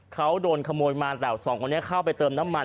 เขาโดนขโมยมาแต่สองคนนี้เข้าไปเติมน้ำมัน